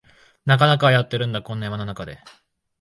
なかなかはやってるんだ、こんな山の中で